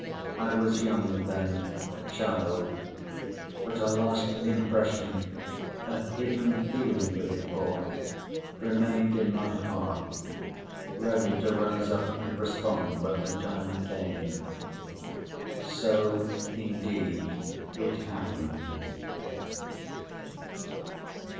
I was young then, a child, but a lasting impression, a hidden feeling of it all, remained in my heart, ready to rise up and respond when the time came. So indeed it happened.